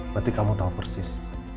berarti kamu tahu persis